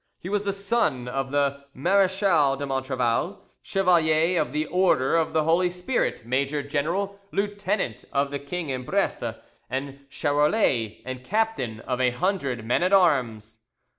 He was the son of the Marechal de Montrevel, chevalier of the Order of the Holy Spirit, major general, lieutenant of the king in Bresse and Charolais, and captain of a hundred men at arms.